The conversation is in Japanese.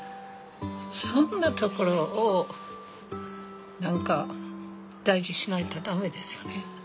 そんなところを何か大事しないと駄目ですよね。